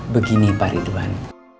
begini pak ridwan